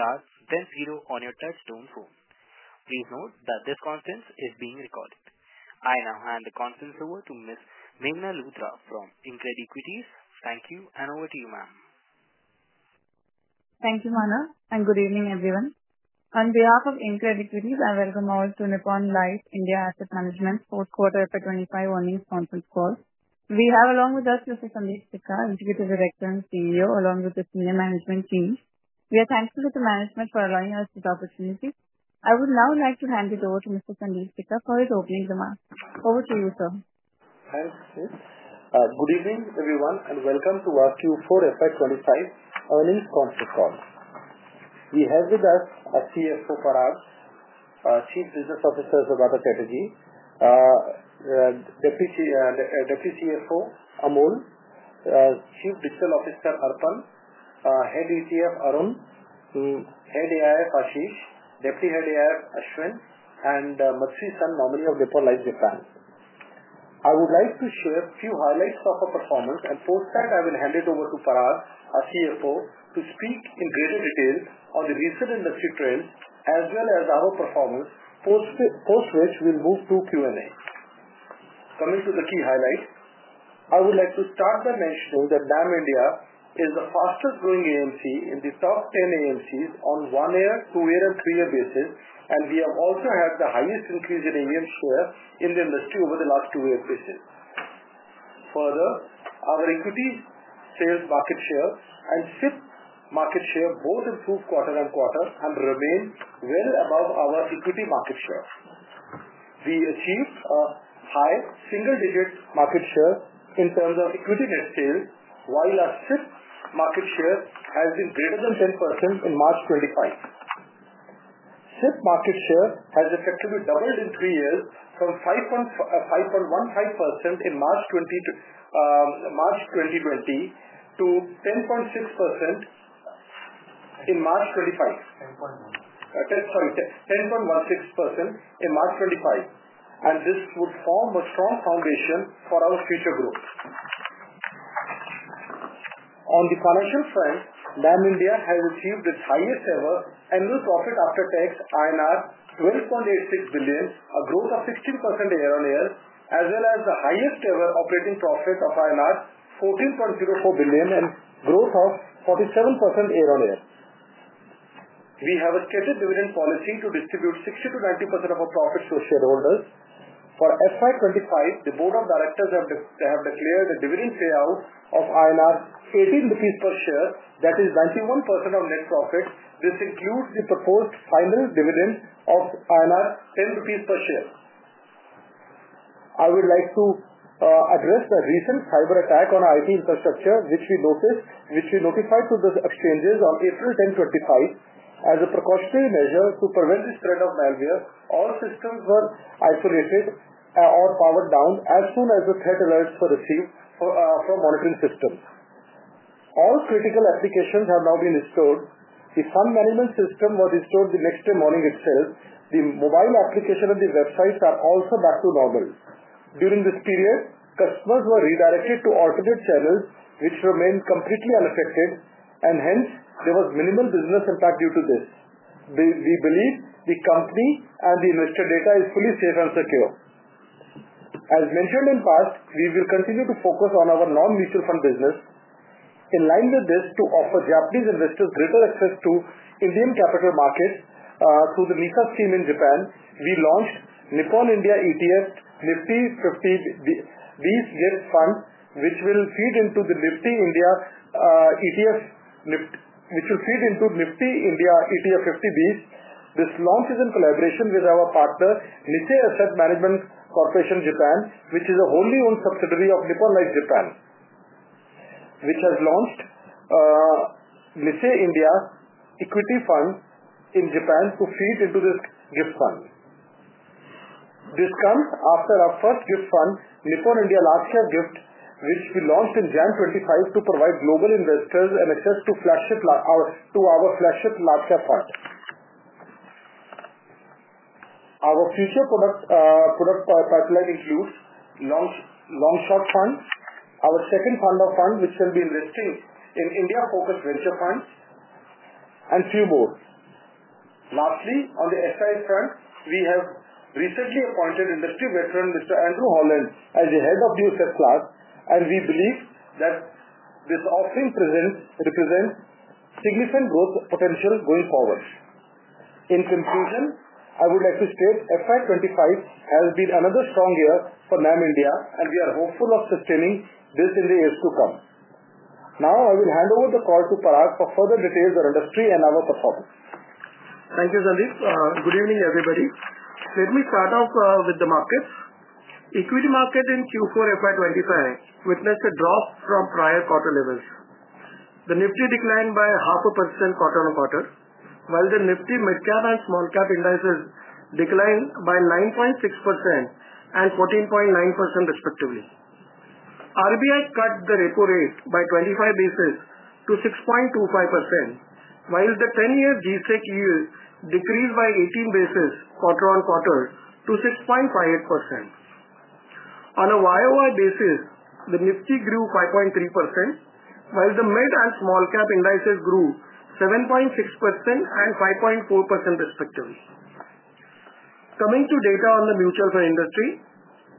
Star, then zero on your Touch-Tone phone. Please note that this conference is being recorded. I now hand the conference over to Ms. Meghna Luthra from InCred Equities. Thank you, and over to you, ma'am. Thank you, Mana, and good evening, everyone. On behalf of InCred Equities, I welcome all to Nippon Life India Asset Management's fourth quarter for 2025 earnings conference call. We have along with us Mr. Sundeep Sikka, Executive Director and CEO, along with the senior management team. We are thankful to the management for allowing us this opportunity. I would now like to hand it over to Mr. Sundeep Sikka for his opening remarks. Over to you, sir. Thanks. Good evening, everyone, and welcome to our Q4 FY25 earnings conference call. We have with us CFO Parag, Chief Business Officer of the Strategy, Deputy CFO Amol, Chief Digital Officer Arpan, Head ETF Arun, Head AIF Ashish, Deputy Head AIF Ashwin, and Matsui San, nominee of Nippon Life Japan. I would like to share a few highlights of our performance, and post that, I will hand it over to Parag, our CFO, to speak in greater detail on the recent industry trends as well as our performance, post which we'll move to Q&A. Coming to the key highlight, I would like to start by mentioning that Nippon Life India Asset Management is the fastest-growing AMC in the top 10 AMCs on one-year, two-year, and three-year basis, and we have also had the highest increase in AMC share in the industry over the last two-year basis. Further, our equity sales market share and SIP market share both improved quarter on quarter and remain well above our equity market share. We achieved a high single-digit market share in terms of equity net sales, while our SIP market share has been greater than 10% in March 2025. SIP market share has effectively doubled in three years from 5.15% in March 2020 to 10.6% in March 2025. 10.15%. Sorry, 10.16% in March 2025, and this would form a strong foundation for our future growth. On the financial front, NAM India has achieved its highest-ever annual profit after tax INR 12.86 billion, a growth of 16% year-on-year, as well as the highest-ever operating profit of INR 14.04 billion and growth of 47% year-on-year. We have a stated dividend policy to distribute 60%-90% of our profits to shareholders. For FY2025, the Board of Directors have declared a dividend payout of 18 rupees per share, that is 91% of net profit. This includes the proposed final dividend of 10 rupees per share. I would like to address the recent cyber attack on our IT infrastructure, which we notified to the exchanges on April 10, 2025.As a precautionary measure to prevent the spread of malware, all systems were isolated or powered down as soon as the threat alerts were received from monitoring systems. All critical applications have now been restored. The fund management system was restored the next day morning itself. The mobile application and the websites are also back to normal. During this period, customers were redirected to alternate channels, which remained completely unaffected, and hence, there was minimal business impact due to this. We believe the company and the investor data is fully safe and secure. As mentioned in the past, we will continue to focus on our non-mutual fund business. In line with this, to offer Japanese investors greater access to Indian capital markets through the NISA scheme in Japan, we launched Nippon India ETF Nifty 50 BeES Fund, which will feed into the Nifty India ETF, which will feed into Nifty India ETF 50 BeES. This launch is in collaboration with our partner, Nissei Asset Management Corporation Japan, which is a wholly-owned subsidiary of Nippon Life Japan, which has launched Nissei India Equity Fund in Japan to feed into this GIF fund. This comes after our first GIFT fund, Nippon India Large-Cap GIFT, which we launched in January 2025 to provide global investors an access to our flagship large-cap fund. Our future product pipeline includes long-short funds, our second fund of fund, which will be investing in India-focused venture funds, and a few more. Lastly, on the AIF front, we have recently appointed industry veteran Mr. Andrew Holland as the head of the asset class, and we believe that this offering represents significant growth potential going forward. In conclusion, I would like to state FY25 has been another strong year for NAM India, and we are hopeful of sustaining this in the years to come. Now, I will hand over the call to Parag for further details on industry and our performance. Thank you, Sandeep. Good evening, everybody. Let me start off with the markets. Equity market in Q4 FY2025 witnessed a drop from prior quarter levels. The Nifty declined by 0.5% quarter on quarter, while the Nifty mid-cap and small-cap indices declined by 9.6% and 14.9%, respectively. RBI cut the repo rate by 25 basis points to 6.25%, while the 10-year G-Sec yield decreased by 18 basis points quarter on quarter to 6.58%. On a year-over-year basis, the Nifty grew 5.3%, while the mid and small-cap indices grew 7.6% and 5.4%, respectively. Coming to data on the mutual fund industry,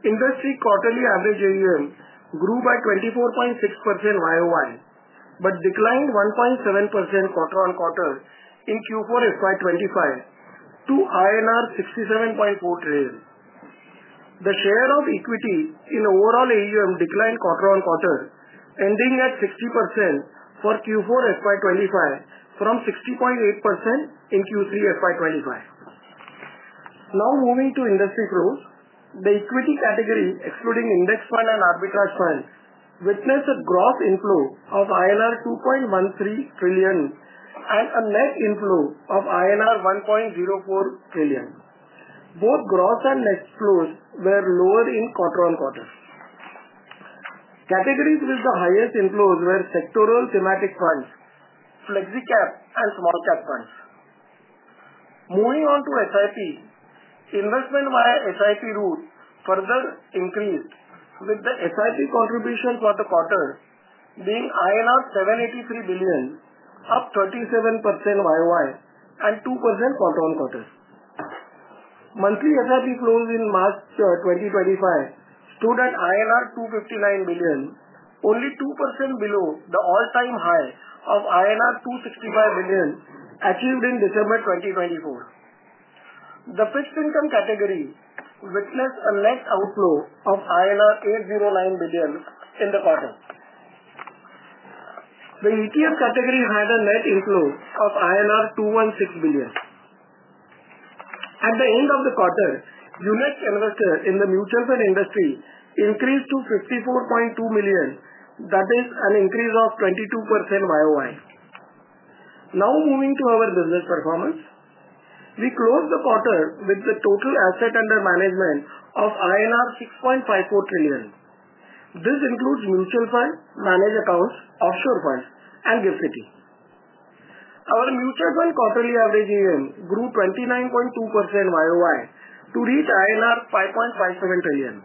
industry quarterly average AUM grew by 24.6% year over year but declined 1.7% quarter on quarter in Q4 FY2025 to INR 67.4 trillion. The share of equity in overall AUM declined quarter on quarter, ending at 60% for Q4 FY2025 from 60.8% in Q3 FY2025.Now, moving to industry growth, the equity category, excluding index fund and arbitrage fund, witnessed a gross inflow of INR 2.13 trillion and a net inflow of INR 1.04 trillion. Both gross and net flows were lower quarter on quarter. Categories with the highest inflows were sectoral thematic funds, flexi-cap, and small-cap funds. Moving on to SIP, investment via SIP route further increased, with the SIP contribution for the quarter being INR 783 billion, up 37% YOY and 2% quarter on quarter. Monthly SIP flows in March 2025 stood at INR 259 billion, only 2% below the all-time high of INR 265 billion achieved in December 2024. The fixed income category witnessed a net outflow of INR 809 billion in the quarter. The ETF category had a net inflow of INR 216 billion. At the end of the quarter, units invested in the mutual fund industry increased to 54.2 million, that is an increase of 22% year-over-year. Now, moving to our business performance, we closed the quarter with the total asset under management of INR 6.54 trillion. This includes mutual fund, managed accounts, offshore funds, and gifts. Our mutual fund quarterly average AUM grew 29.2% year-over-year to reach INR 5.57 trillion.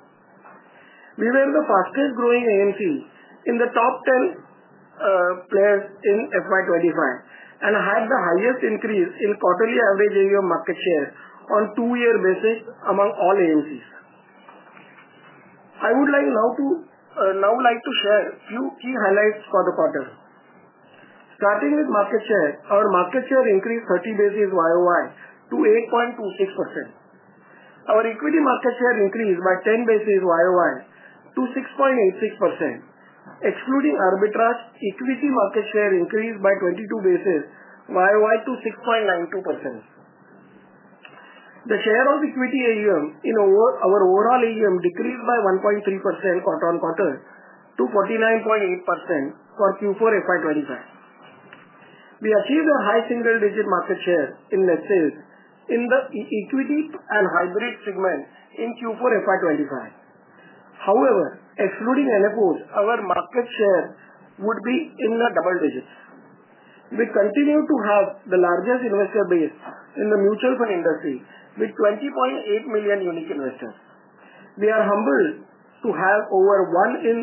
We were the fastest-growing AMC in the top 10 players in FY2025 and had the highest increase in quarterly average AUM market share on a two-year basis among all AMCs. I would like now to share a few key highlights for the quarter. Starting with market share, our market share increased 30 basis points year-over-year to 8.26%. Our equity market share increased by 10 basis points year-over-year to 6.86%. Excluding arbitrage, equity market share increased by 22 basis points year-over-year to 6.92%. The share of equity AUM in our overall AUM decreased by 1.3% quarter on quarter to 49.8% for Q4 FY2025. We achieved a high single-digit market share in net sales in the equity and hybrid segment in Q4 FY2025. However, excluding NFOs, our market share would be in the double digits. We continue to have the largest investor base in the mutual fund industry with 20.8 million unique investors. We are humbled to have over one in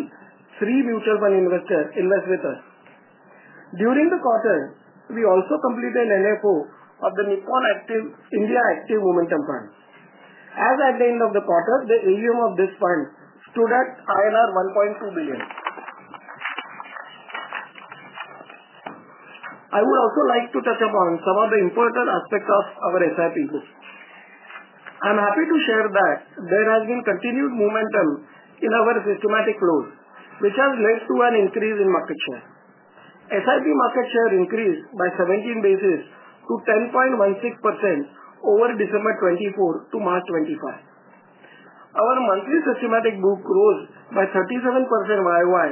three mutual fund investors invest with us. During the quarter, we also completed an NFO of the Nippon India Active Momentum Fund. As at the end of the quarter, the AUM of this fund stood at INR 1.2 billion. I would also like to touch upon some of the important aspects of our SIP growth. I'm happy to share that there has been continued momentum in our systematic flows, which has led to an increase in market share. SIP market share increased by 17 basis points to 10.16% over December 2024 to March 2025. Our monthly systematic book rose by 37% year-over-year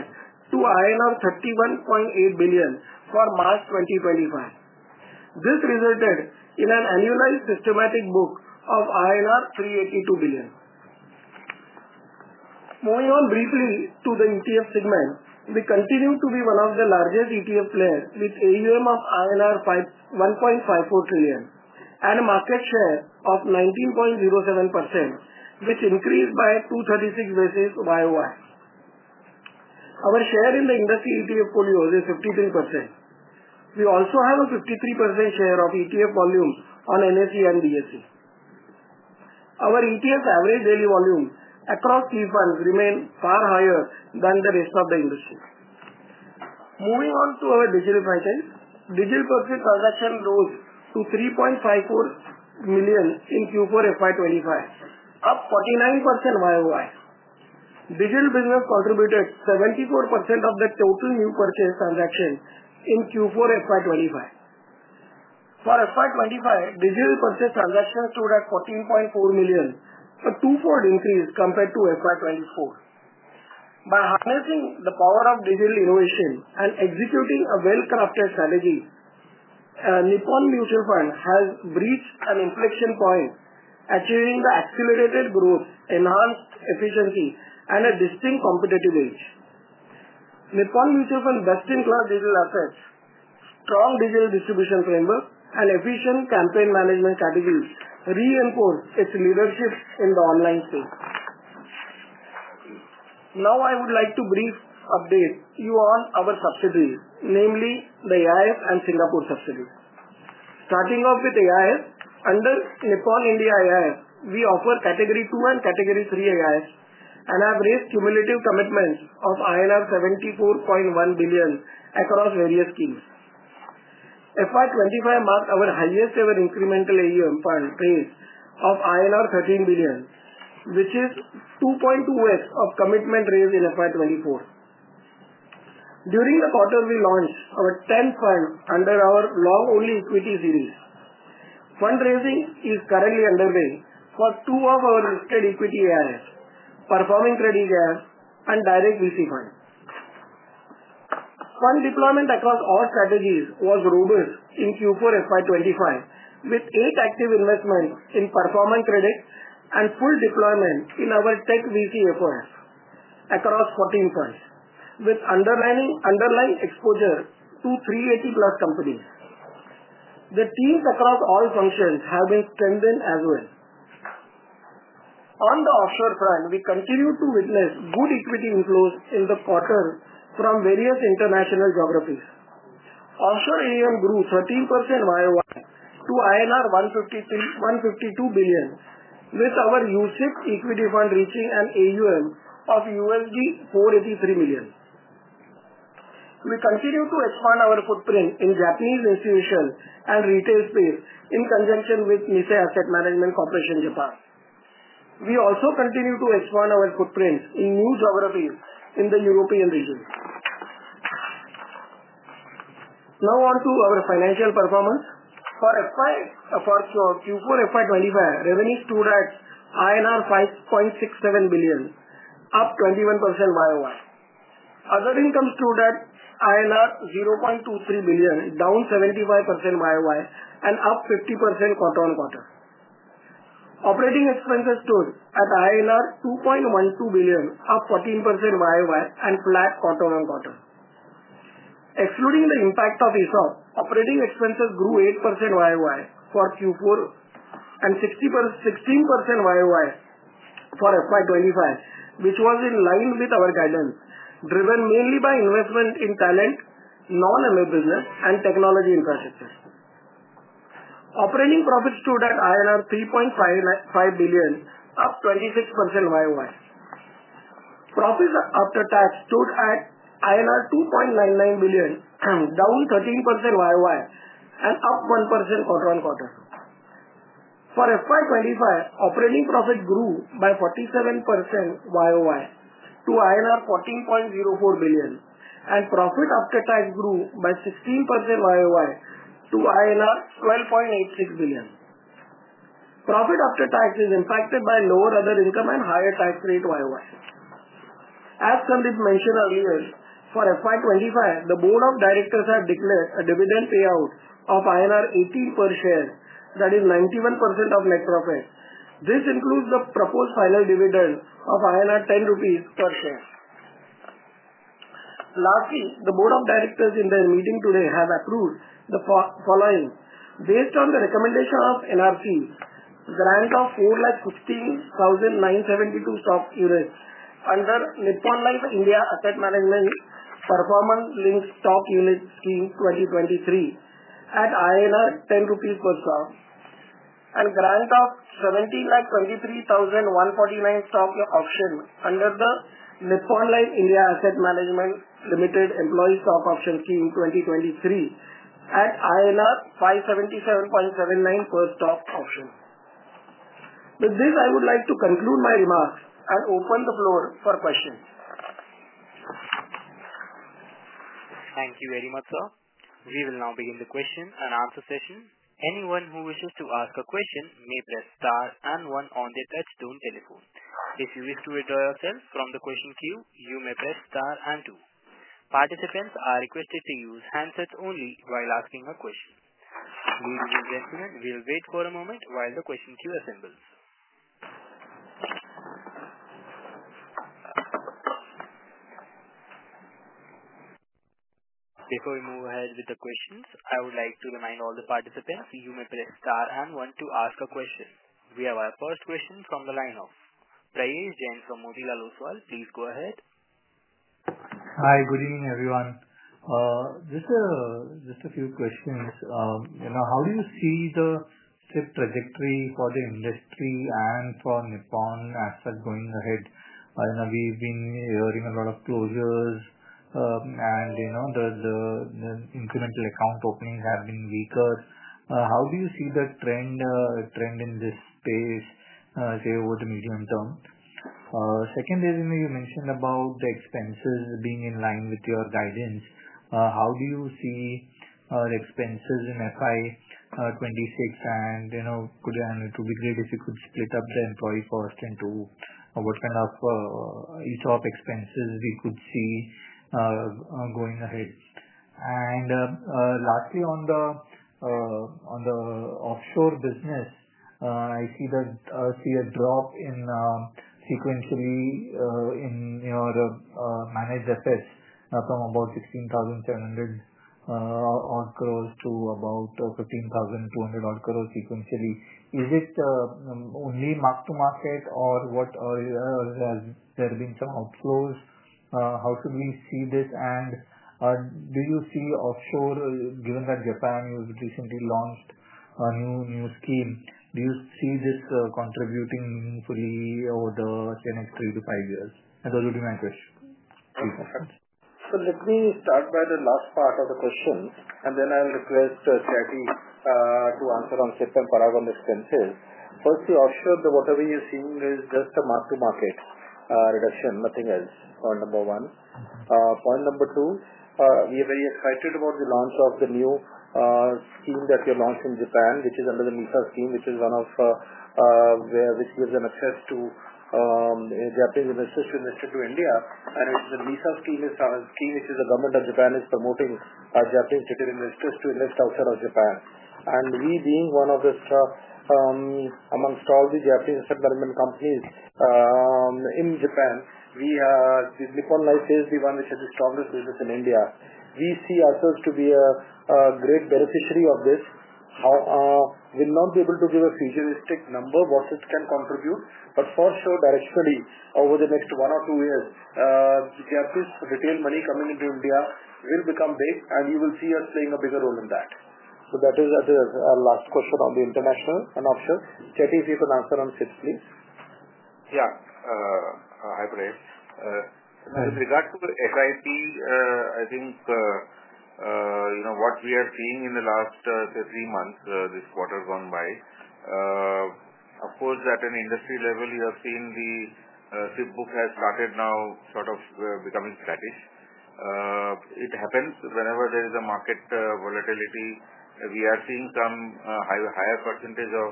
to INR 31.8 billion for March 2025. This resulted in an annualized systematic book of INR 382 billion. Moving on briefly to the ETF segment, we continue to be one of the largest ETF players with AUM of INR 1.54 trillion and a market share of 19.07%, which increased by 236 basis points year-over-year. Our share in the industry ETF volume is 53%. We also have a 53% share of ETF volumes on NSE and BSE. Our ETF average daily volume across key funds remained far higher than the rest of the industry. Moving on to our digital franchise, digital purchase transactions rose to 3.54 million in Q4 FY25, up 49% YOY. Digital business contributed 74% of the total new purchase transactions in Q4 FY25. For FY25, digital purchase transactions stood at 14.4 million, a two-fold increase compared to FY24. By harnessing the power of digital innovation and executing a well-crafted strategy, Nippon Life India Asset Management has breached an inflection point, achieving accelerated growth, enhanced efficiency, and a distinct competitive edge. Nippon Life India Asset Management's best-in-class digital assets, strong digital distribution framework, and efficient campaign management strategies reinforce its leadership in the online space. Now, I would like to briefly update you on our subsidiaries, namely the AIF and Singapore subsidiaries. Starting off with AIF, under Nippon India AIF, we offer category two and category three AIF, and have raised cumulative commitments of INR 74.1 billion across various schemes. FY25 marked our highest-ever incremental AUM fund raise of INR 13 billion, which is 2.2x of commitment raised in FY24. During the quarter, we launched our 10th fund under our long-only equity series. Fund raising is currently underway for two of our listed equity AIFs, performing credit AIF and direct VC fund. Fund deployment across all strategies was robust in Q4 FY25, with eight active investments in performing credit and full deployment in our tech VC efforts across 14 funds, with underlying exposure to 380-plus companies. The teams across all functions have been strengthened as well. On the offshore front, we continue to witness good equity inflows in the quarter from various international geographies. Offshore AUM grew 13% YOY to 152 billion, with our UCITS equity fund reaching an AUM of $483 million. We continue to expand our footprint in Japanese institutions and retail space in conjunction with Nissei Asset Management Corporation Japan. We also continue to expand our footprint in new geographies in the European region. Now, on to our financial performance. For Q4 FY2025, revenues stood at INR 5.67 billion, up 21% YOY. Other incomes stood at INR 0.23 billion, down 75% YOY and up 50% quarter on quarter. Operating expenses stood at INR 2.12 billion, up 14% YOY and flat quarter on quarter. Excluding the impact of ESOP, operating expenses grew 8% YOY for Q4 and 16% YOY for FY2025, which was in line with our guidance, driven mainly by investment in talent, non-ML business, and technology infrastructure. Operating profits stood at INR 3.55 billion, up 26% YOY. Profits after tax stood at INR 2.99 billion, down 13% YOY and up 1% quarter on quarter. For FY25, operating profit grew by 47% YOY to INR 14.04 billion, and profit after tax grew by 16% YOY to INR 12.86 billion. Profit after tax is impacted by lower other income and higher tax rate YOY. As Sundeep mentioned earlier, for FY25, the Board of Directors have declared a dividend payout of INR 18 per share, that is 91% of net profit. This includes the proposed final dividend of 10 rupees per share. Lastly, the Board of Directors in their meeting today have approved the following: based on the recommendation of NRC, grant of 415,972 stock units under Nippon Life India Asset Management Performance Linked Stock Unit Scheme 2023 at 10 rupees per stock, and grant of 1,723,149 stock option under the Nippon Life India Asset Management Employee Stock Option Scheme 2023 at INR 577.79 per stock option. With this, I would like to conclude my remarks and open the floor for questions. Thank you very much, sir. We will now begin the question and answer session. Anyone who wishes to ask a question may press star and one on the touchstone telephone. If you wish to withdraw yourself from the question queue, you may press star and two. Participants are requested to use handsets only while asking a question. We will wait for a moment while the question queue assembles. Before we move ahead with the questions, I would like to remind all the participants you may press star and one to ask a question. We have our first question from the lineup. Prayesh Jain from Motilal Oswal, please go ahead. Hi, good evening, everyone. Just a few questions. How do you see the trajectory for the industry and for Nippon Asset going ahead? We've been hearing a lot of closures, and the incremental account openings have been weaker. How do you see the trend in this space, say, over the medium term? Second is, you mentioned about the expenses being in line with your guidance. How do you see the expenses in FY 2026? Could it be great if you could split up the employee cost into what kind of ESOP expenses we could see going ahead? Lastly, on the offshore business, I see a drop sequentially in your managed assets from about 16,700 crore to about 15,200 crore sequentially. Is it only mark-to-market, or has there been some outflows? How should we see this? Do you see offshore, given that Japan has recently launched a new scheme, do you see this contributing meaningfully over the next 3-5 years? Those would be my questions. Perfect.Let me start by the last part of the question, and then I'll request Chetty to answer on SIP and Parag on expenses. Firstly, offshore, whatever you're seeing is just a mark-to-market reduction, nothing else, point number one. Point number two, we are very excited about the launch of the new scheme that we launched in Japan, which is under the NISA scheme, which is one of which gives an access to Japanese investors to invest into India. And the NISA scheme is a scheme which the government of Japan is promoting Japanese investors to invest outside of Japan. And we, being one of the stocks amongst all the Japanese asset management companies in Japan, Nippon Life is the one which has the strongest business in India. We see ourselves to be a great beneficiary of this. We will not be able to give a futuristic number of what it can contribute, but for sure, directionally, over the next one or two years, Japanese retail money coming into India will become big, and you will see us playing a bigger role in that. That is our last question on the international and offshore. Chetty, if you can answer on SIPs, please. Yeah, hi Prayesh. With regard to SIP, I think what we are seeing in the last three months, this quarter gone by, of course, at an industry level, you have seen the SIP book has started now sort of becoming flattish. It happens whenever there is a market volatility. We are seeing some higher percentage of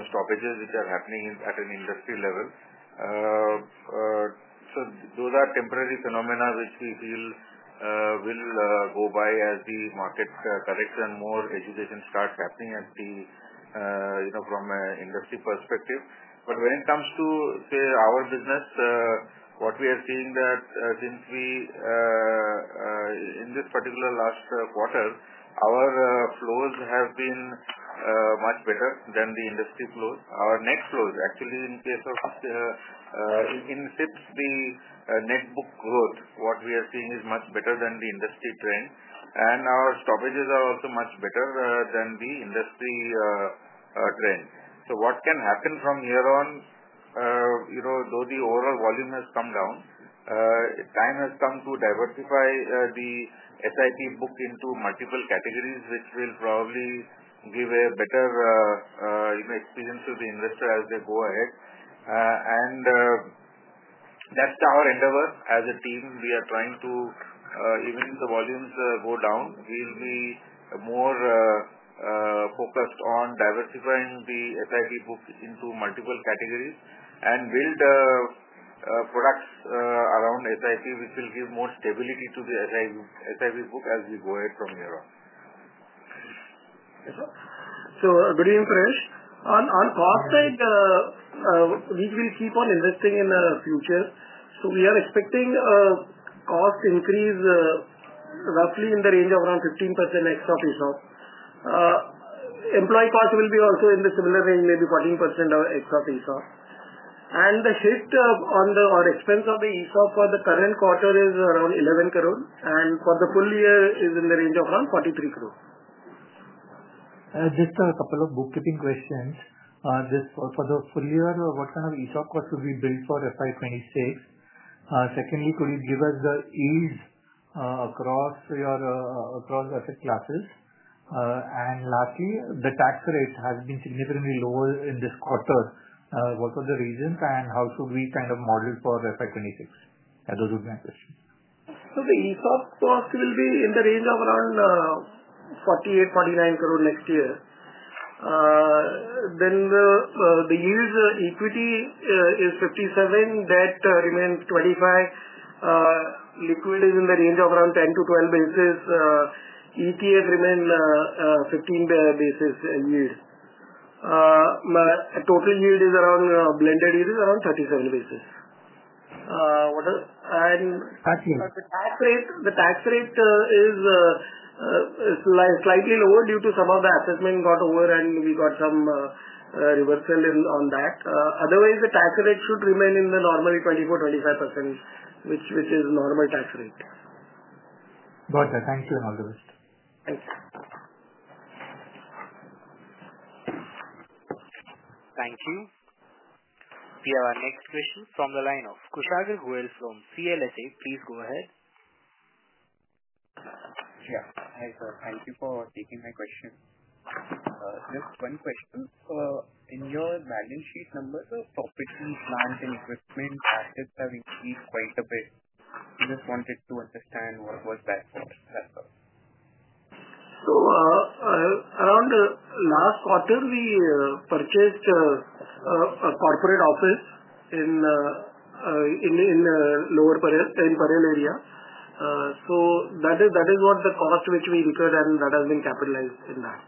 stoppages which are happening at an industry level. Those are temporary phenomena which we feel will go by as the market corrects and more education starts happening from an industry perspective. When it comes to, say, our business, what we are seeing is that in this particular last quarter, our flows have been much better than the industry flows. Our net flows, actually, in case of SIPs, the net book growth, what we are seeing is much better than the industry trend, and our stoppages are also much better than the industry trend. What can happen from here on? Though the overall volume has come down, time has come to diversify the SIP book into multiple categories, which will probably give a better experience to the investor as they go ahead. That is our endeavor. As a team, we are trying to, even if the volumes go down, we'll be more focused on diversifying the SIP book into multiple categories and build products around SIP, which will give more stability to the SIP book as we go ahead from here on. Good evening, Prayesh. On cost side, we will keep on investing in the future. We are expecting cost increase roughly in the range of around 15% ex-ESOP. Employee cost will be also in the similar range, maybe 14% ex-ESOP. The hit on the expense of the ESOP for the current quarter is around 11 crore, and for the full year, it is in the range of around 43 crore. Just a couple of bookkeeping questions. For the full year, what kind of ESOP costs will we build for FY2026? Secondly, could you give us the yields across your asset classes? Lastly, the tax rate has been significantly lower in this quarter. What were the reasons, and how should we kind of model for FY2026? Those would be my questions. The ESOP cost will be in the range of around 48 crore-49 crore next year. The yield equity is 57 basis points, debt remains 25 basis points, liquid is in the range of around 10-12 basis points, ETF remains 15 basis points yield. Total yield, blended yield is around 37 basis points. The tax rate is slightly lower due to some of the assessment got over, and we got some reversal on that. Otherwise, the tax rate should remain in the normal 24%-25%, which is normal tax rate. Got it. Thank you and all the best. Thank you. Thank you. We have our next question from the lineup. Kushagra Goel from CLSA, please go ahead. Yeah. Hi, sir. Thank you for taking my question. Just one question. In your balance sheet numbers, the property, plants, and equipment assets have increased quite a bit. We just wanted to understand what was that for. That's all. Around last quarter, we purchased a corporate office in the Lower Parel in Parel area. That is what the cost which we recurred, and that has been capitalized in that.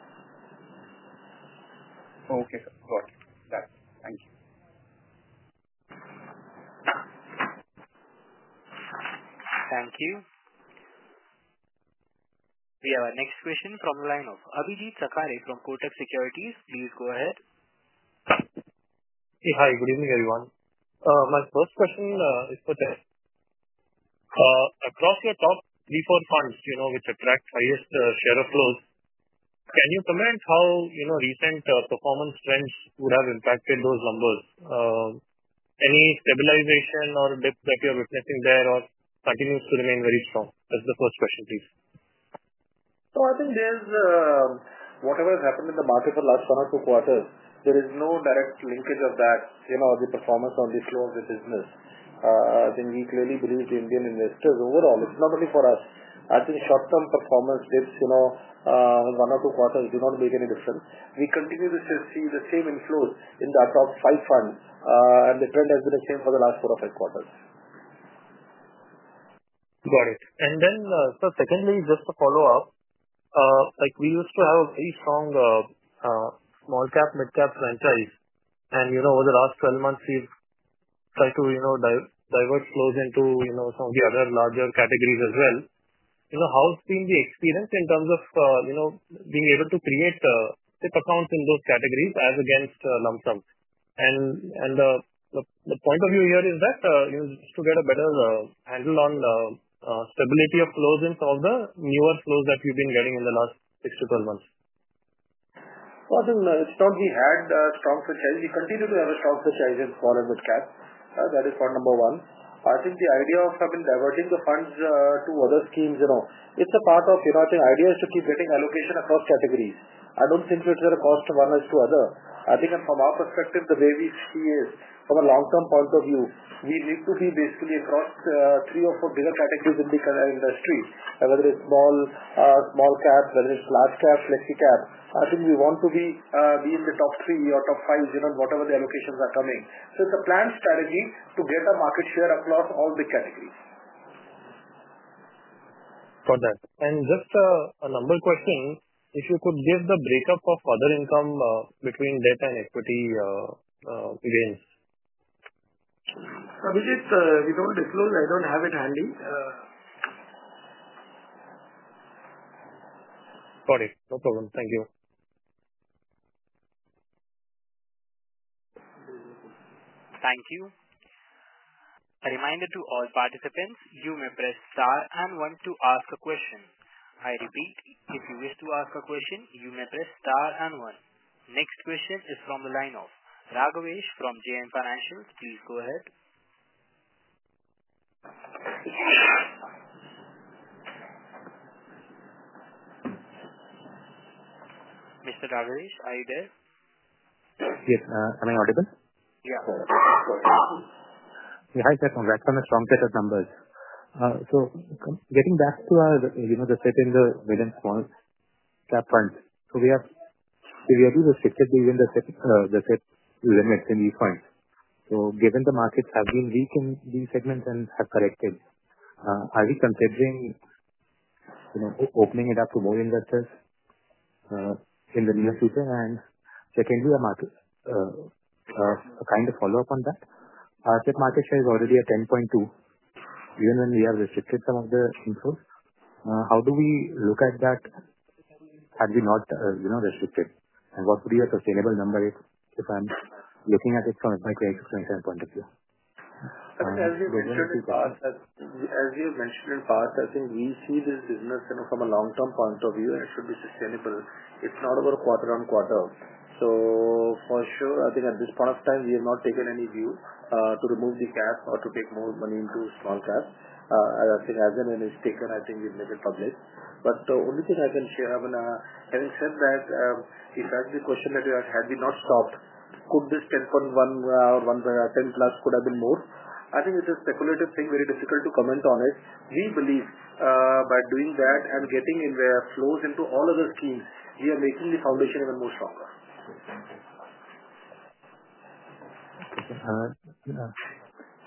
Okay. Got it. Thank you. Thank you. We have our next question from the lineup. Abhijeet Sakhare from Kotak Securities, please go ahead. Hey, hi. Good evening, everyone. My first question is for Chetty. Across your top three or four funds which attract highest share of flows, can you comment on how recent performance trends would have impacted those numbers? Any stabilization or dip that you're witnessing there or continues to remain very strong? That's the first question, please. I think whatever has happened in the market for the last one or two quarters, there is no direct linkage of that, the performance on the flow of the business. I think we clearly believe the Indian investors overall, it's not only for us. I think short-term performance dips one or two quarters do not make any difference. We continue to see the same inflows in the top five funds, and the trend has been the same for the last four or five quarters. Got it. Then secondly, just to follow up, we used to have a very strong small-cap, mid-cap franchise, and over the last 12 months, we've tried to divert flows into some of the other larger categories as well. How's been the experience in terms of being able to create SIP accounts in those categories as against lump sums? The point of view here is that just to get a better handle on stability of flows in some of the newer flows that we've been getting in the last 6-12 months. I think it's strongly had strong switches. We continue to have a strong switch as in small and mid-cap. That is point number one. I think the idea of having diverting the funds to other schemes, it's a part of the idea is to keep getting allocation across categories. I don't think it's a cost to one or two other. I think from our perspective, the way we see is from a long-term point of view, we need to be basically across three or four bigger categories in the industry, whether it's small-cap, whether it's large-cap, flexi-cap. I think we want to be in the top three or top five, whatever the allocations are coming. It is a planned strategy to get a market share across all the categories. Got it. Just a number question. If you could give the breakup of other income between debt and equity gains. Abhijeet, if you do not disclose, I do not have it handy. Got it. No problem. Thank you. Thank you. A reminder to all participants, you may press star and one to ask a question. I repeat, if you wish to ask a question, you may press star and one. Next question is from the lineup. Raghavesh from JM Financial, please go ahead. Mr. Raghavesh, are you there? Yes. Am I audible? Yeah. Hi, sir. Congrats on the strong set of numbers. Getting back to the SIP in the mid and small-cap funds, we have severely restricted even the SIP limits in these funds. Given the markets have been weak in these segments and have corrected, are we considering opening it up to more investors in the near future? Secondly, a kind of follow-up on that. Our SIP market share is already at 10.2%, even when we have restricted some of the inflows. How do we look at that had we not restricted? What would be a sustainable number if I'm looking at it from my 2027 point of view? As you mentioned in the past, I think we see this business from a long-term point of view, and it should be sustainable.It's not over quarter on quarter. For sure, I think at this point of time, we have not taken any view to remove the cap or to take more money into small-cap. I think as and when it's taken, I think we've made it public. The only thing I can share, having said that, if that's the question that you had, had we not stopped, could this 10.1 or 10 plus could have been more? I think it's a speculative thing, very difficult to comment on it. We believe by doing that and getting flows into all other schemes, we are making the foundation even more stronger.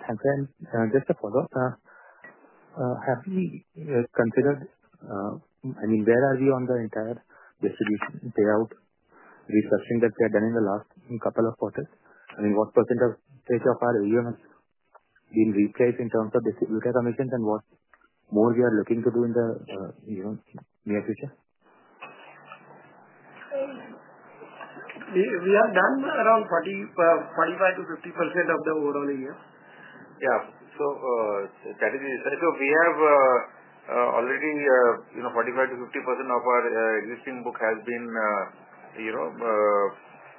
Thanks. Just to follow up, have you considered, I mean, where are we on the entire distribution payout researching that we have done in the last couple of quarters?I mean, what percentage of our AUM has been replaced in terms of distributor commissions, and what more we are looking to do in the near future? We have done around 45%-50% of the overall AUM. Yeah. Strategy is we have already 45%-50% of our existing book has been,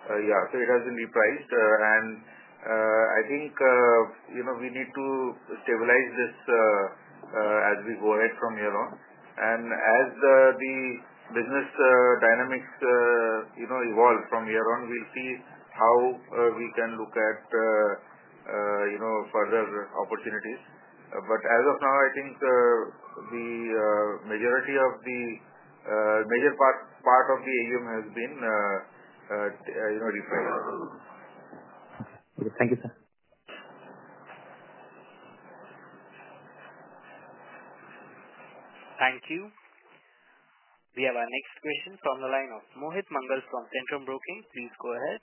yeah, it has been repriced. I think we need to stabilize this as we go ahead from here on. As the business dynamics evolve from here on, we'll see how we can look at further opportunities. As of now, I think the major part of the AUM has been repriced. Okay. Thank you, sir. Thank you. We have our next question from the lineup. Mohit Mangal from Centrum Broking, please go ahead.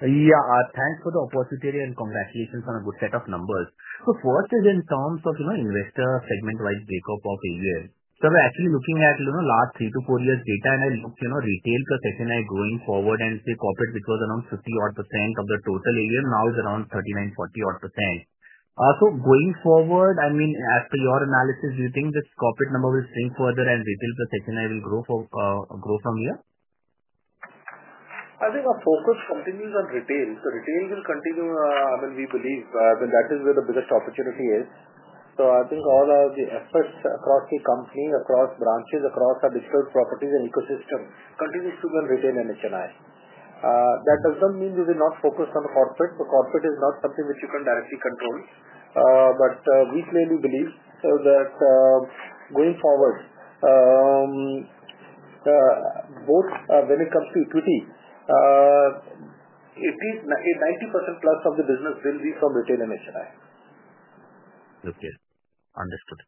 Yeah. Thanks for the opportunity and congratulations on a good set of numbers. First is in terms of investor segment-wide breakup of AUM. We are actually looking at last three to four years' data, and I looked retail per HNI going forward, and the corporate which was around 50%-odd of the total AUM now is around 39%-40%-odd. Going forward, I mean, after your analysis, do you think this corporate number will shrink further and retail per HNI will grow from here? I think our focus continues on retail. Retail will continue, I mean, we believe that is where the biggest opportunity is. I think all the efforts across the company, across branches, across our distributed properties and ecosystem continues to be on retail and HNI. That does not mean we will not focus on corporate. The corporate is not something which you can directly control. We clearly believe that going forward, both when it comes to equity, 90% plus of the business will be from retail and HNI. Okay. Understood.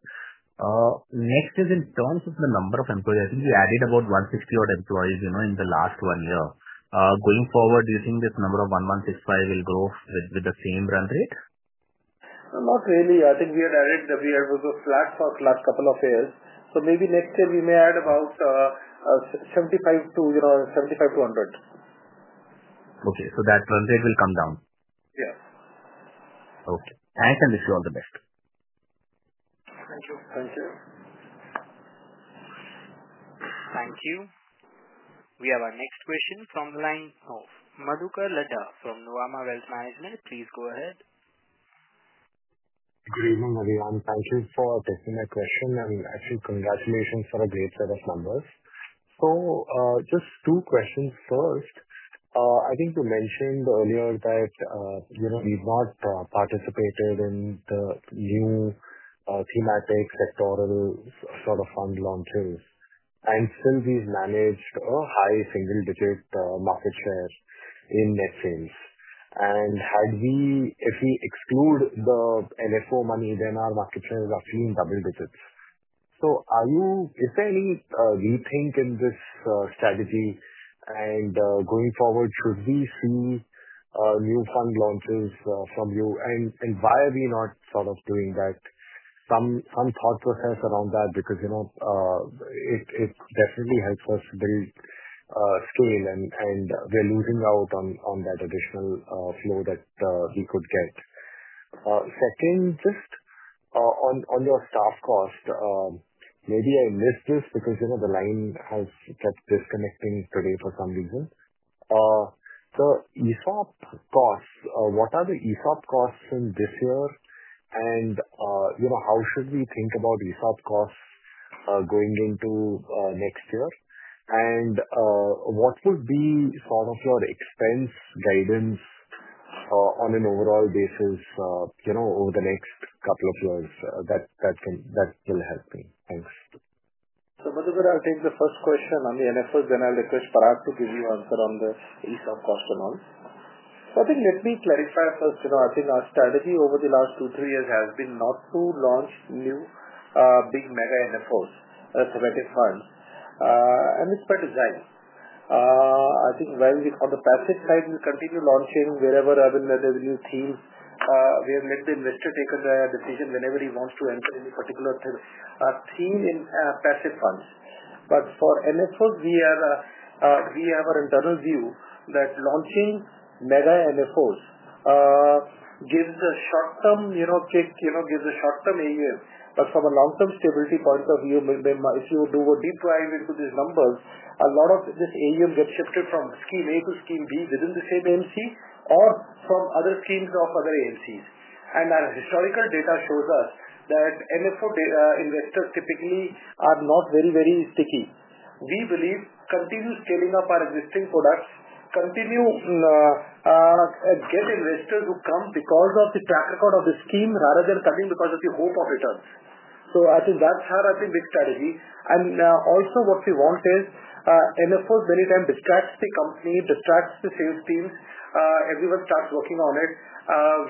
Next is in terms of the number of employees. I think we added about 160-odd employees in the last one year. Going forward, do you think this number of 1,165 will grow with the same run rate? Not really. I think we had added that we had flat for the last couple of years. Maybe next year we may add about 75%-100%. Okay. That run rate will come down? Yeah. Okay. Thanks, and wish you all the best. Thank you. Thank you. Thank you. We have our next question from the line of Madhukar Ladha from Nuvama Wealth Management. Please go ahead. Good evening, everyone. Thank you for taking my question, and actually, congratulations for a great set of numbers. Just two questions first. I think you mentioned earlier that we've not participated in the new thematic sectoral sort of fund launches, and still we've managed a high single-digit market share in net sales. If we exclude the NFO money, then our market share is actually in double digits. Is there any rethink in this strategy? Going forward, should we see new fund launches from you? Why are we not sort of doing that? Some thought process around that because it definitely helps us build scale, and we're losing out on that additional flow that we could get. Second, just on your staff cost, maybe I missed this because the line has kept disconnecting today for some reason. The ESOP costs, what are the ESOP costs in this year, and how should we think about ESOP costs going into next year? What would be sort of your expense guidance on an overall basis over the next couple of years? That will help me. Thanks. Madhukar, I'll take the first question on the NFOs, then I'll request Parag to give you an answer on the ESOP cost and all. I think let me clarify first. I think our strategy over the last two, three years has been not to launch new big mega NFOs, thematic funds, and it's per design. I think while we're on the passive side, we continue launching wherever there's a new theme. We have let the investor take a decision whenever he wants to enter any particular theme in passive funds. For NFOs, we have our internal view that launching mega NFOs gives a short-term kick, gives a short-term AUM.From a long-term stability point of view, if you do a deep dive into these numbers, a lot of this AUM gets shifted from scheme A to scheme B within the same AMC or from other schemes of other AMCs. Our historical data shows us that NFO investors typically are not very, very sticky. We believe continuing to scale up our existing products, continuing to get investors who come because of the track record of the scheme rather than coming because of the hope of returns. I think that's our big strategy. Also, what we want is NFOs many times distract the company, distract the sales teams. Everyone starts working on it.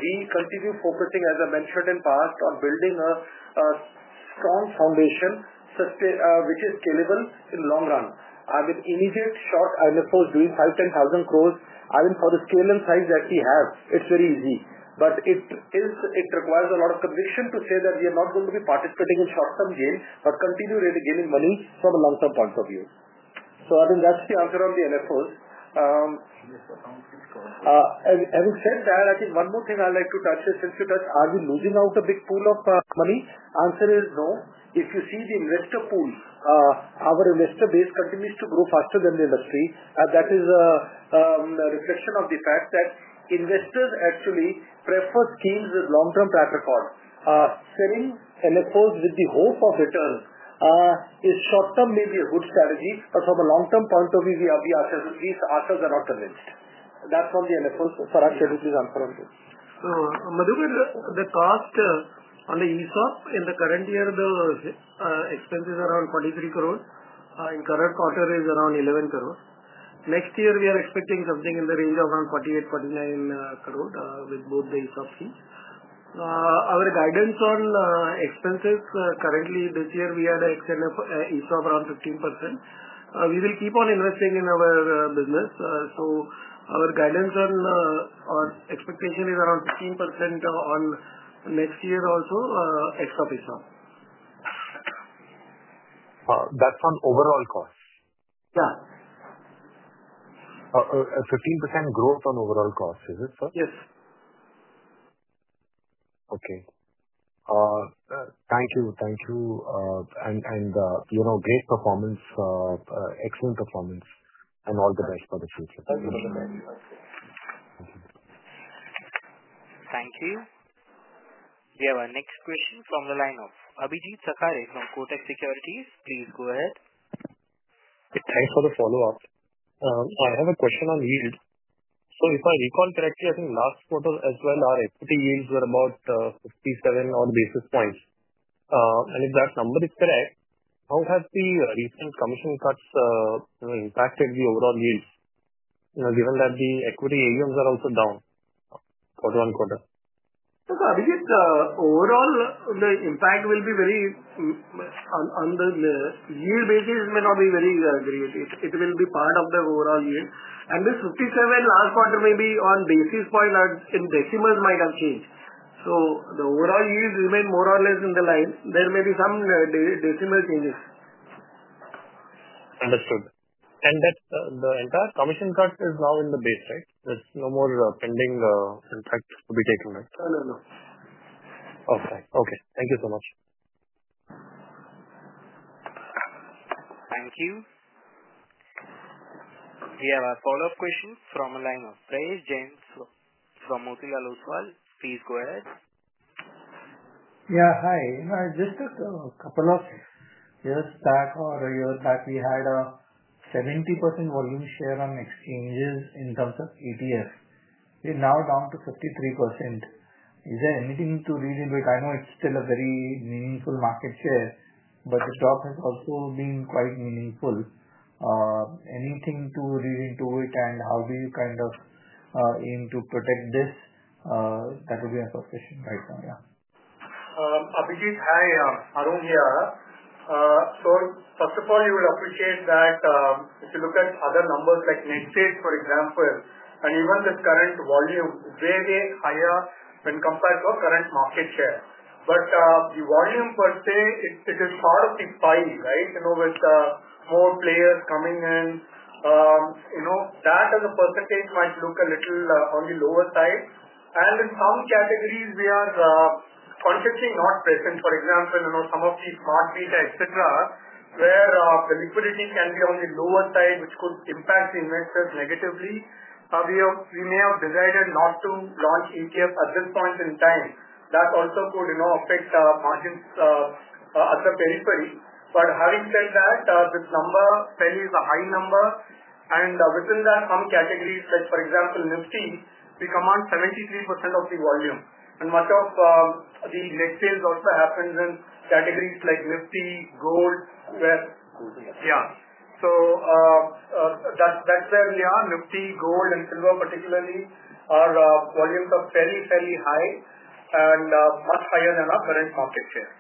We continue focusing, as I mentioned in the past, on building a strong foundation which is scalable in the long run. I mean, immediate short NFOs doing 5,000-10,000 crore, I mean, for the scale and size that we have, it's very easy. It requires a lot of conviction to say that we are not going to be participating in short-term gain, but continue gaining money from a long-term point of view. I think that's the answer on the NFOs. Having said that, I think one more thing I'd like to touch is, since you touched, are we losing out a big pool of money? Answer is no. If you see the investor pool, our investor base continues to grow faster than the industry. That is a reflection of the fact that investors actually prefer schemes with long-term track record. Selling NFOs with the hope of return is short-term maybe a good strategy, but from a long-term point of view, we are at least ourselves are not convinced. That is on the NFOs.Parag, can you please answer on this? Madhukar, the cost on the ESOP in the current year, the expenses are around 23 crore. In current quarter, it is around 11 crore. Next year, we are expecting something in the range of around 48 crore-49 crore with both the ESOP schemes. Our guidance on expenses currently, this year, we had an ESOP around 15%. We will keep on investing in our business. Our guidance on expectation is around 15% on next year also, extra ESOP. That is on overall costs? Yeah. 15% growth on overall costs, is it so? Yes. Okay. Thank you. Thank you. Great performance, excellent performance, and all the best for the future. Thank you. Thank you. Thank you. We have our next question from the lineup. Abhijeet Sakare from Kotak Securities, please go ahead. Thanks for the follow-up. I have a question on yield. If I recall correctly, I think last quarter as well, our equity yields were about 57-odd basis points. If that number is correct, how has the recent commission cuts impacted the overall yields? Given that the equity AUMs are also down quarter on quarter. Abhijeet, overall, the impact will be very on the yield basis may not be very great. It will be part of the overall yield. This 57 last quarter may be on basis point in decimals might have changed. The overall yield remained more or less in the line. There may be some decimal changes. Understood. The entire commission cut is now in the base, right? There's no more pending impact to be taken, right? No, no, no. Okay. Okay. Thank you so much. Thank you. We have our follow-up question from a lineup. Prayesh Jain from Motilal Oswal, please go ahead. Yeah. Hi. Just a couple of years back or a year back, we had a 70% volume share on exchanges in terms of ETF. We're now down to 53%. Is there anything to read into it? I know it's still a very meaningful market share, but the drop has also been quite meaningful. Anything to read into it, and how do you kind of aim to protect this? That would be my question right now, yeah. Abhijeet, hi. Arun here. First of all, you will appreciate that if you look at other numbers like Net Sales, for example, and even the current volume, it's way, way higher when compared to our current market share. The volume per se, it is part of the pie, right? With more players coming in, that as a percentage might look a little on the lower side. In some categories, we are consciously not present. For example, some Smart Beta, etc., where the liquidity can be on the lower side, which could impact the investors negatively. We may have decided not to launch ETF at this point in time. That also could affect margins at the periphery. Having said that, this number still is a high number. Within that, some categories like, for example, Nifty, we come on 73% of the volume. Much of the Net Sales also happens in categories like Nifty, Gold, where yeah. That is where we are. Nifty, Gold, and Silver particularly, our volumes are fairly, fairly high and much higher than our current market share.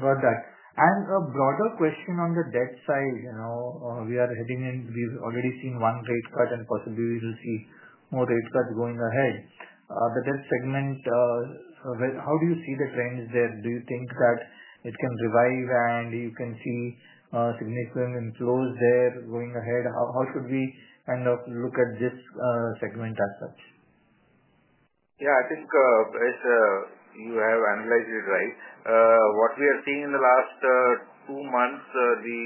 Got that.A broader question on the debt side. We are heading in, we have already seen one rate cut, and possibly we will see more rate cuts going ahead. The debt segment, how do you see the trends there? Do you think that it can revive and you can see significant inflows there going ahead? How should we kind of look at this segment as such? Yeah. I think you have analyzed it right. What we are seeing in the last two months, the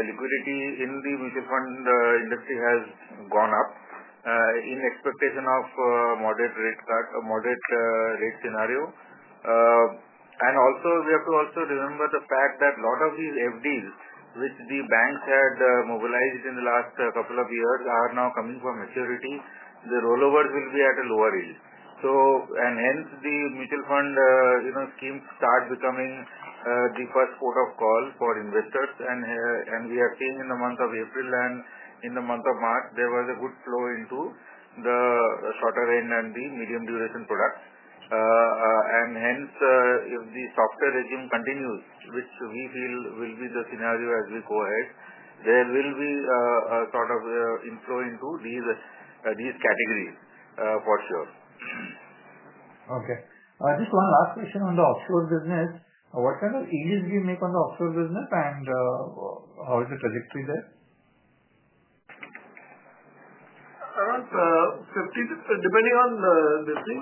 liquidity in the mutual fund industry has gone up in expectation of a moderate rate cut, a moderate rate scenario. Also, we have to remember the fact that a lot of these FDs, which the banks had mobilized in the last couple of years, are now coming for maturity. The rollovers will be at a lower yield. Hence, the mutual fund schemes start becoming the first port of call for investors. We are seeing in the month of April and in the month of March, there was a good flow into the shorter end and the medium duration products. Hence, if the softer regime continues, which we feel will be the scenario as we go ahead, there will be a sort of inflow into these categories for sure. Okay. Just one last question on the offshore business. What kind of yields do you make on the offshore business, and how is the trajectory there? Around 50, depending on the thing,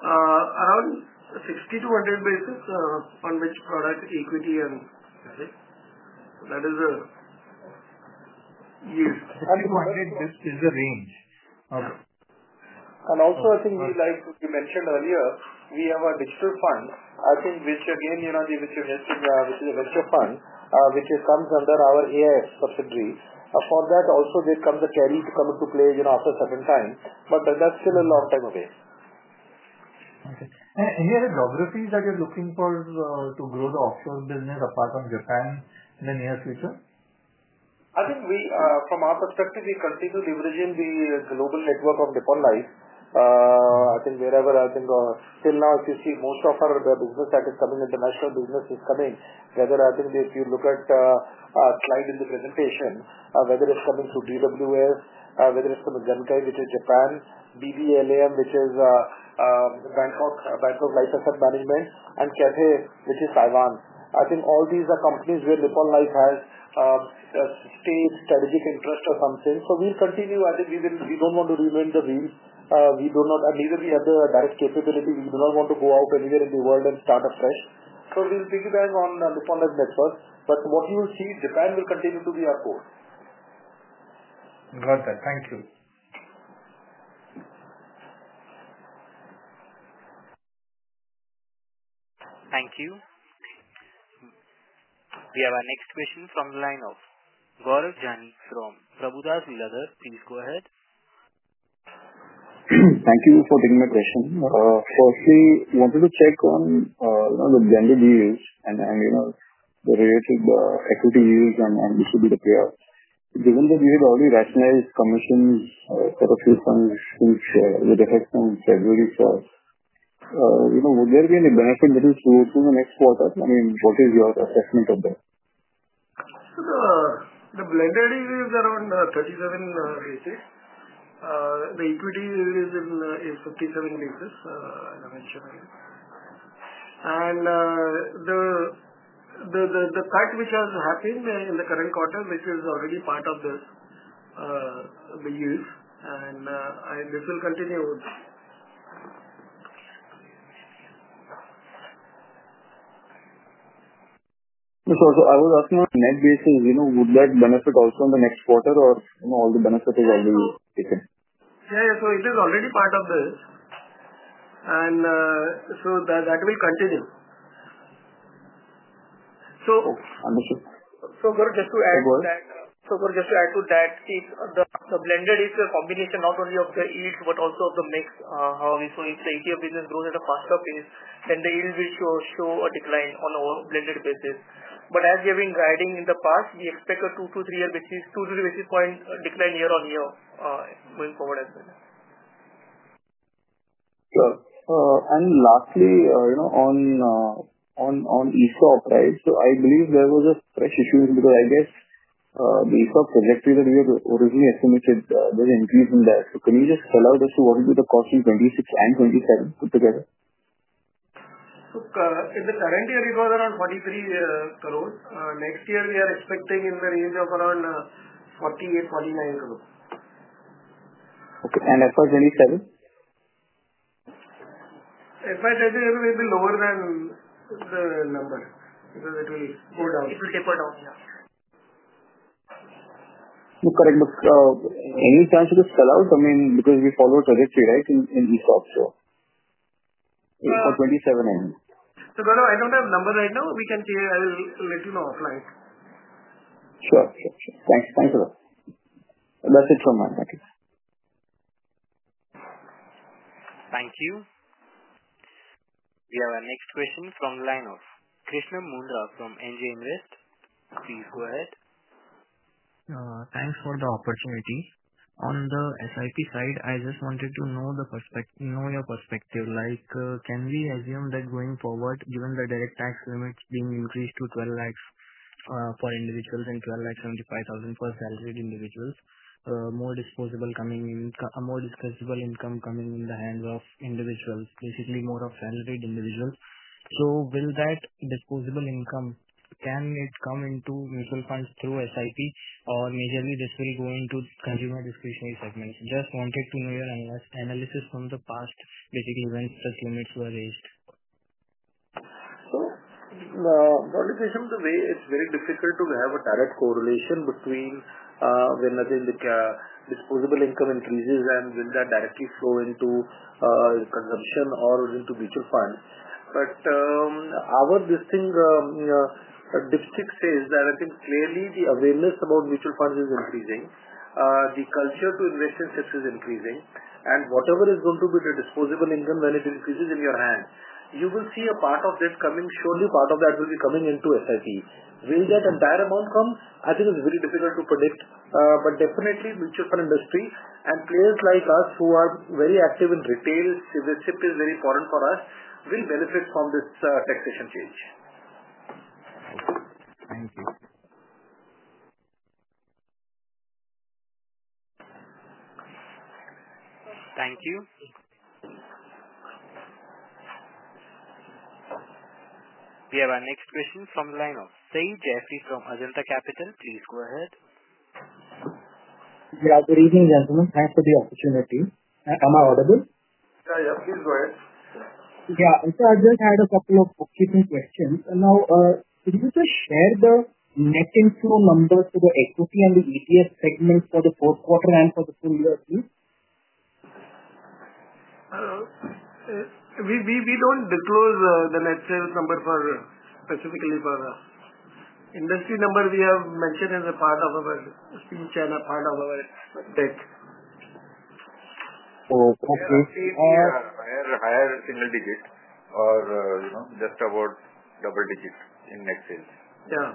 around 60-100 basis points on which product equity and that is a yield. 60-100, this is the range of.I think we mentioned earlier, we have a digital fund, which again, is a venture fund, which comes under our AIF subsidiary. For that also, there comes a carry to come into play after a certain time. That is still a long time away. Okay. Any other geographies that you're looking for to grow the offshore business apart from Japan in the near future? I think from our perspective, we continue leveraging the global network of Nippon. Till now, if you see, most of our business that is coming, international business is coming. If you look at a slide in the presentation, whether it is coming through DWS, whether it is from the Genkai, which is Japan, BBLAM, which is Bangkok Life Asset Management, and Cathay, which is Taiwan. I think all these are companies where Nippon Life has a strategic interest or something. We will continue. I think we do not want to remain in the wheel. We do not, and neither do we have the direct capability. We do not want to go out anywhere in the world and start afresh. We will piggyback on Nippon Life Network. What you will see, Japan will continue to be our core. Got that. Thank you. Thank you. We have our next question from the lineup. Gaurav Jani from Prabhudas Lilladher, please go ahead. Thank you for taking my question. Firstly, I wanted to check on the blended yields and the related equity yields and which would be the payout. Given that we had already rationalized commissions for a few funds since the effect on February 1st, would there be any benefit that is to the next quarter?I mean, what is your assessment of that? The blended yield is around 37 basis points. The equity yield is 57 basis points, as I mentioned earlier. The cut which has happened in the current quarter, which is already part of the yields, and this will continue. I was asking on net basis, would that benefit also in the next quarter or all the benefit is already taken? Yeah. Yeah. It is already part of this. That will continue. Just to add to that, just to add to that, the blended is a combination not only of the yields but also of the mix. If the ETF business grows at a faster pace, then the yield will show a decline on a blended basis. As we have been guiding in the past, we expect a two to three basis point decline year on year going forward as well. Sure. Lastly, on ESOP, right? I believe there was a fresh issue because I guess the ESOP trajectory that we had originally estimated, there is an increase in that. Can you just tell us what would be the cost in 2026 and 2027 put together? In the current year, it was around 43 crore. Next year, we are expecting in the range of around 48 crore-49 crore. Okay. And FY2027? FY2027 will be lower than the number because it will go down. It will taper down, yeah. Correct. Any chance to spell out? I mean, because we follow a trajectory, right, in ESOP, so for 2027 and? Gaurav, I do not have numbers right now. We can see it. I will let you know offline. Sure. Sure. Sure. Thanks. Thanks a lot. That's it from my side. Thank you. We have our next question from the lineup. Krishnam Mundhra from NJ Invest. Please go ahead. Thanks for the opportunity. On the SIP side, I just wanted to know your perspective. Can we assume that going forward, given the direct tax limits being increased to 1,200,000 for individuals and 1,275,000 for salaried individuals, more disposable coming in, more disposable income coming in the hands of individuals, basically more of salaried individuals? Will that disposable income, can it come into mutual funds through SIP, or majorly this will go into consumer discretionary segments? Just wanted to know your analysis from the past, basically when such limits were raised. According to the way, it's very difficult to have a direct correlation between when disposable income increases and will that directly flow into consumption or into mutual funds. Our distinct dipstick says that I think clearly the awareness about mutual funds is increasing. The culture to invest in SIPs is increasing. Whatever is going to be the disposable income, when it increases in your hand, you will see a part of that coming, surely part of that will be coming into SIP. Will that entire amount come? I think it's very difficult to predict. Definitely, mutual fund industry and players like us who are very active in retail, SIP is very important for us, will benefit from this taxation change. Thank you. Thank you. We have our next question from the lineup. Sai Jaffe from Ajanta Capital, please go ahead. Yeah. Good evening, gentlemen. Thanks for the opportunity. Am I audible? Yeah. Yeah. Please go ahead. Yeah. I just had a couple of bookkeeping questions. Now, could you just share the net inflow number for the equity and the ETF segment for the fourth quarter and for the full year? We do not disclose the net sales number specifically for us. Industry number we have mentioned as a part of our speech and a part of our deck. Oh, okay. SIPs are higher single digit or just about double digit in net sales. Yeah.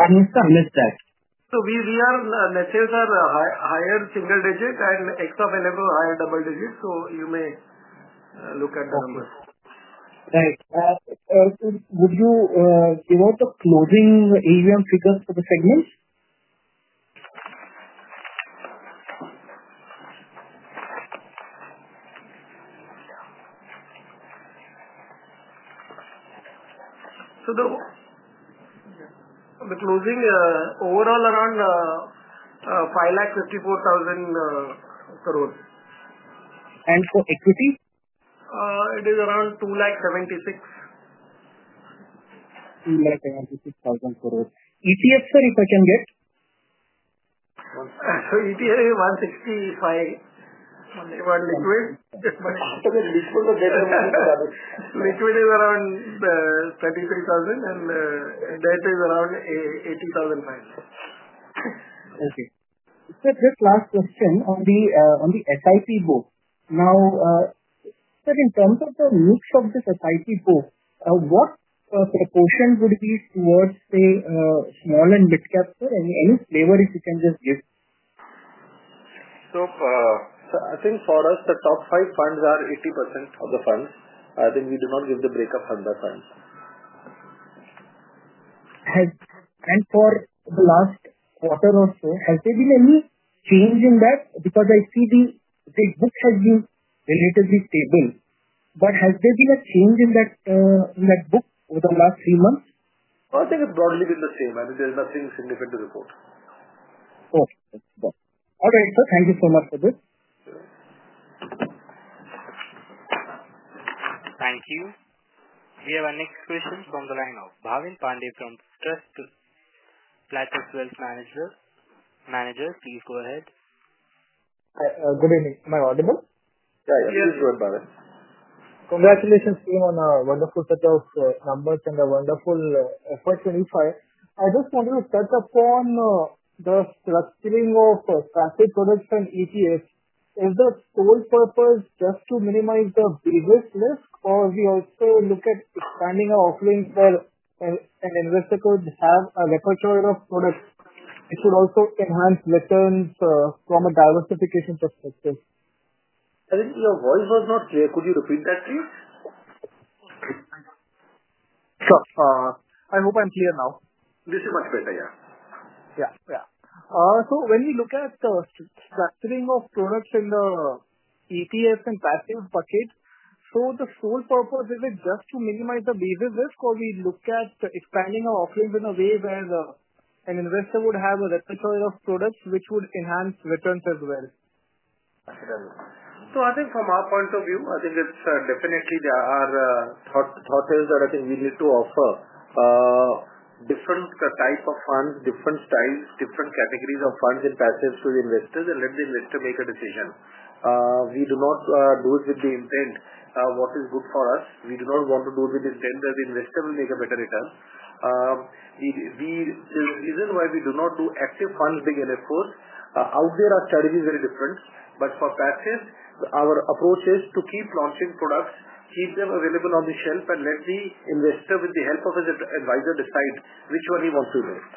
And Mr. Lister. We are net sales are higher single digit and x of enable higher double digit. You may look at the numbers. Right. Would you give us the closing AUM figures for the segments? The closing overall around 554,000 crore. And for equity? It is around 276,000. 276,000 crore. ETF, sir, if I can get? ETF is 165,000. Liquid? After the liquid, the data is better. Liquid is around 33,000 and data is around INR 80,500. Okay. Just last question on the SIP book. In terms of the mix of this SIP book, what proportion would be towards, say, small and mid-caps? Any flavor if you can just give? I think for us, the top five funds are 80% of the funds. I think we do not give the breakup on the funds. For the last quarter or so, has there been any change in that? I see the book has been relatively stable. Has there been a change in that book over the last three months? I think it has broadly been the same. I think there is nothing significant to report. Okay. All right. Thank you so much for this. Thank you. We have our next question from the lineup. Bhavin Pande from Trust Plutus Wealth Managers. Please go ahead. Good evening. Am I audible? Yeah. Yeah. Please go ahead, Bhavin. Congratulations to you on a wonderful set of numbers and a wonderful effort to refi. I just wanted to touch upon the structuring of asset products and ETFs. Is the sole purpose just to minimize the business risk, or we also look at expanding our offering so an investor could have a repertoire of products? It should also enhance returns from a diversification perspective. I think your voice was not clear. Could you repeat that, please? Sure. I hope I'm clear now. This is much better, yeah. Yeah. Yeah. When we look at the structuring of products in the ETF and passive bucket, the sole purpose, is it just to minimize the basis risk, or do we look at expanding our offerings in a way where an investor would have a repertoire of products which would enhance returns as well? Absolutely. I think from our point of view, it's definitely there are thoughts that we need to offer different types of funds, different styles, different categories of funds and passives to the investors and let the investor make a decision. We do not do it with the intent what is good for us. We do not want to do it with the intent that the investor will make a better return. The reason why we do not do active funds big enough for us, out there our strategy is very different. For passive, our approach is to keep launching products, keep them available on the shelf, and let the investor, with the help of his advisor, decide which one he wants to invest.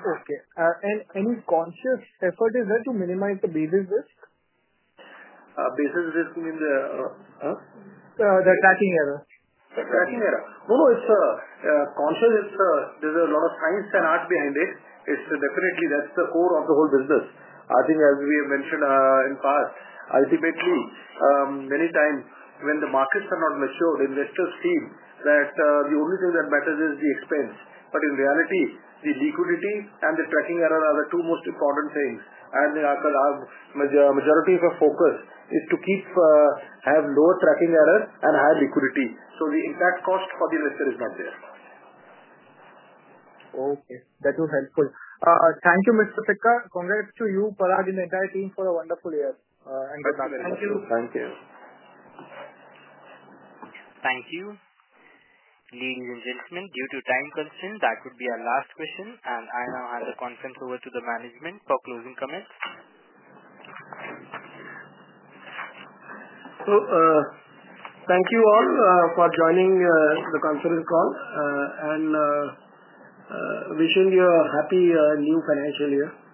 Okay. Any conscious effort is there to minimize the basis risk? Basis risk means the? The tracking error. The tracking error. No, no. Conscious, there's a lot of science and art behind it. It's definitely that's the core of the whole business. I think, as we have mentioned in past, ultimately, many times when the markets are not matured, investors feel that the only thing that matters is the expense. In reality, the liquidity and the tracking error are the two most important things. The majority of our focus is to have lower tracking error and higher liquidity. The impact cost for the investor is not there. Okay. That was helpful. Thank you, Mr. Sikka. Congrats to you, Parag, and the entire team for a wonderful year. Good luck. Thank you. Thank you. Thank you. Ladies and gentlemen, due to time constraints, that would be our last question. I now hand the conference over to the management for closing comments. Thank you all for joining the conference call and wishing you a happy new financial year.